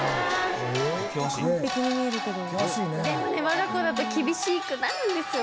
でもね我が子だと厳しくなるんですよねまたね。